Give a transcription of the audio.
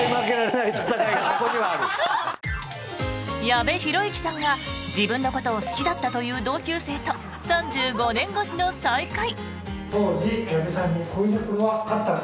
矢部浩之さんが、自分のことを好きだったという同級生と３５年越しの再会。